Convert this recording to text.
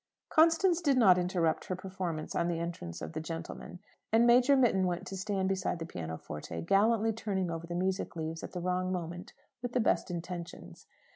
Constance did not interrupt her performance on the entrance of the gentlemen, and Major Mitton went to stand beside the pianoforte, gallantly turning over the music leaves at the wrong moment, with the best intentions.